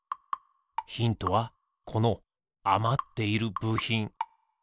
ヒントはこのあまっているぶひん。